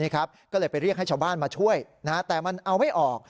ก็เลยไปเรียกให้ชาวบ้านมาช่วยแต่มันเอาไม่ออก